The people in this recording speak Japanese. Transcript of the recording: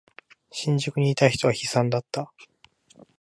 新宿にいた人は悲惨だった。